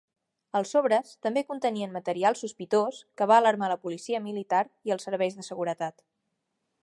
Els sobres també contenien material sospitós, que va alarmar la policia militar i els serveis de seguretat.